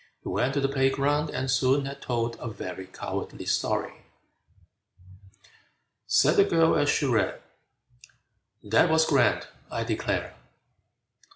He went to the playground, and soon had told A very cowardly story! Said the girl as she read, "That was grand, I declare!